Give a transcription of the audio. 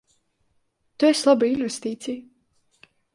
Tu esi laba investīcija.